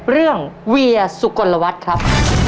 เรื่องเวียสุกลวัฒน์ครับ